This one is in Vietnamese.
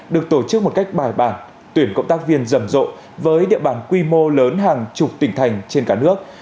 được tổ chức một cách bài bản tuyển cộng tác viên rầm rộ với địa bàn quy mô lớn hàng chục tỉnh thành trên cả nước